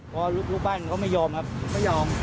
พอลูกบ้านเขาไม่ยอมครับไม่ยอม